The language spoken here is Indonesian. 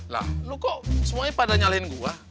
lah lo kok semuanya pada nyalahin gue